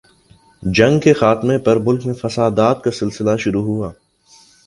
جنگ کے خاتمہ پر ملک میں فسادات کا سلسلہ شروع ہوا۔